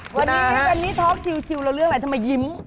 คุณอาฮะวันนี้วันนี้ทอล์กชิวแล้วเรื่องอะไรทำไมยิ้ม